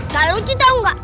gak lucu tau gak